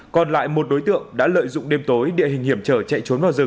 còn lại một đối tượng đã lợi dụng đêm tối địa hình hiểm trở chạy